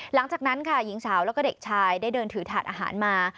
หลังจากนั้นค่ะหญิงสาวแล้วก็เด็กชายได้เดินถือถาดอาหารมา